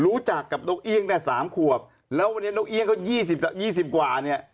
รู้จักกับนกเอี่ยงได้สามขวบแล้ววันนี้นกเอี่ยงเขายี่สิบกว่ายี่สิบกว่าเนี่ย